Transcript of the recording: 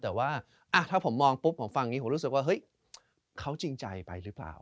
แต่ว่าถ้าผมมองปุ๊บผมฟังอย่างนี้ผมรู้สึกว่าเฮ้ยเขาจริงใจไปหรือเปล่า